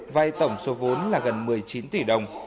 vay tổng số vốn là gần một mươi chín tỷ đồng